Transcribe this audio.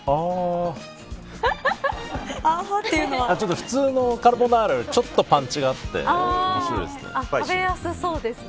普通のカルボナーラよりちょっとパンチがあって食べやすそうですね。